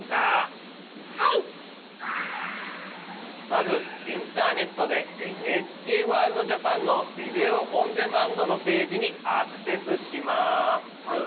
まずインターネットでＮＨＫワールドＪＡＰＡＮのビデオ・オン・デマンドのページにアクセスします。